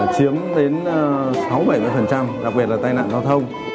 chiếm đến sáu bảy mươi đặc biệt là tai nạn giao thông